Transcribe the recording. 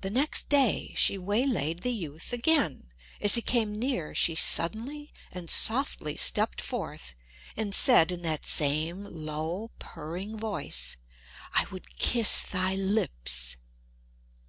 The next day she waylaid the youth again; as he came near she suddenly and softly stepped forth and said in that same low, purring voice, "I would kiss thy lips!"